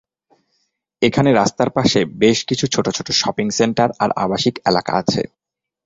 এখানে রাস্তার পাশে বেশ কিছু ছোট ছোট শপিং সেন্টার আর আবাসিক এলাকা আছে।